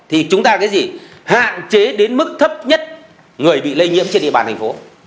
hạn chế đến mức thấp nhất người bị lây nhiễm trên địa bàn thành phố